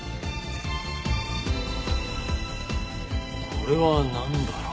これはなんだろう？